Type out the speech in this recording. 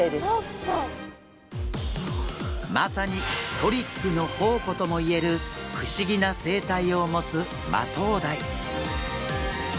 まさにトリックの宝庫ともいえる不思議な生態を持つマトウダイ。